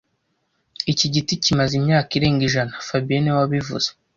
Iki giti kimaze imyaka irenga ijana fabien niwe wabivuze